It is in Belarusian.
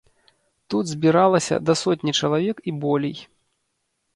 Тут збіралася да сотні чалавек і болей.